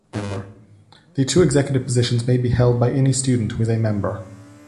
The two executive positions may be held by any student who is a member.